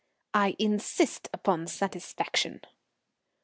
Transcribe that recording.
"I insist upon satisfaction."